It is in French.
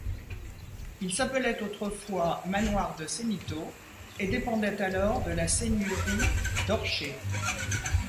Il s'appelait autrefois manoir de Sénitot et dépendait alors de la seigneurie d'Orcher.